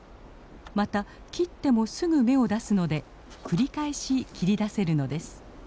また切ってもすぐ芽を出すので繰り返し切り出せるのです。